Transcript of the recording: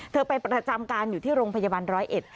ไปประจำการอยู่ที่โรงพยาบาลร้อยเอ็ด